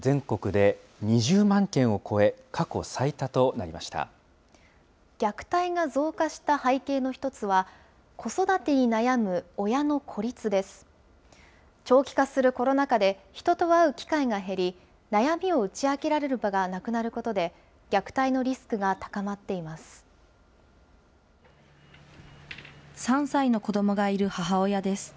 長期化するコロナ禍で、人と会う機会が減り、悩みを打ち明けられる場がなくなることで、虐待のリスクが高まっ３歳の子どもがいる母親です。